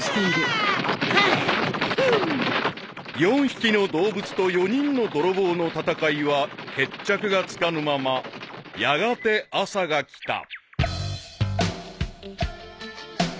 ［４匹の動物と４人の泥棒の戦いは決着がつかぬままやがて朝が来た］